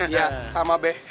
iya sama be